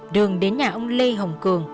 đường đến nhà ông lê hồng cường